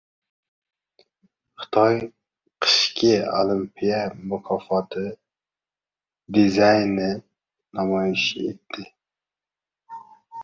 Xitoy Qishki olimpiya mukofoti dizaynini namoyish etdi